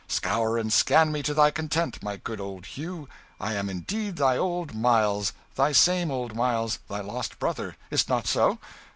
Scour and scan me to thy content, my good old Hugh I am indeed thy old Miles, thy same old Miles, thy lost brother, is't not so?